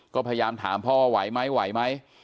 ก็พยายามถามพ่อไหวไหม